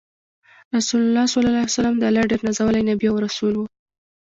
رسول الله ص د الله ډیر نازولی نبی او رسول وو۔